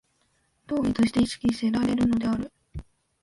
当為として意識せられるのである。